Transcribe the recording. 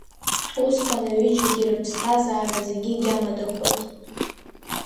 Усҟан аҩыџьагьы рыԥсҭазаара зегьы гьамадахоит!